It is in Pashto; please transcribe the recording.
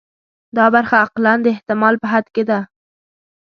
دا برخه اقلاً د احتمال په حد کې ده.